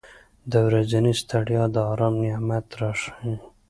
• د ورځې ستړیا د آرام نعمت راښیي.